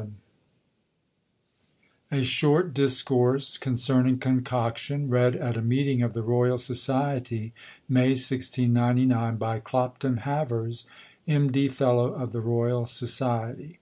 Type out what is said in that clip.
_ _A short Discourse concerning Concoction: Read at a Meeting of the Royal Society, May ... 1699, by Clopton Havers, M. D. Fellow of the Royal Society.